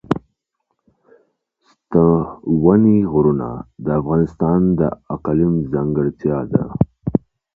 ستوني غرونه د افغانستان د اقلیم ځانګړتیا ده.